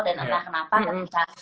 dan entah kenapa ketika